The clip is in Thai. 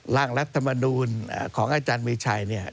ร่างรัฐมนูลของอาจารย์มีชัยเนี่ย